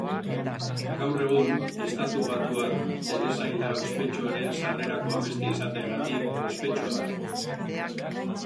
Gaur egun, estatubatuar telesaila ospetsuaren sarrerako abestia izateagatik ospetsua da.